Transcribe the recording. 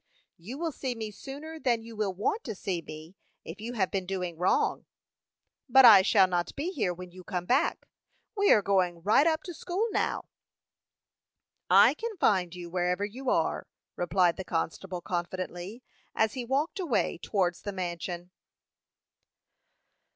"You will see me sooner than you will want to see me, if you have been doing wrong." "But I shall not be here when you come back. We are going right up to school now." "I can find you, wherever you are," replied the constable, confidently, as he walked away towards the mansion.